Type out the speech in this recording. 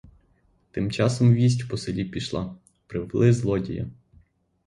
Тим часом вість по селі пішла: привели злодія!